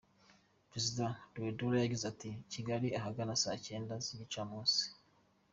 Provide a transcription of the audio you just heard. Perezida Touadera yageze i Kigali ahagana saa cyenda z’igicamunsi.